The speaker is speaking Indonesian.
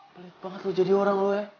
belit banget lu jadi orang lu ya